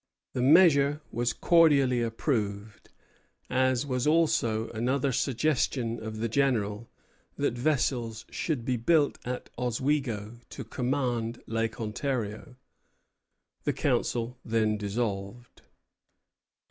The measure was cordially approved, as was also another suggestion of the General, that vessels should be built at Oswego to command Lake Ontario. The Council then dissolved.